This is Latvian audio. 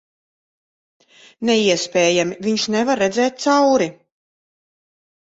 Neiespējami. Viņš nevar redzēt cauri...